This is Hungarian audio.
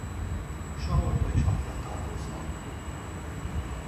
Sarolta és apja távoznak.